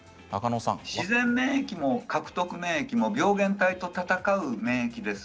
自然免疫も獲得免疫も病原体と戦う免疫です。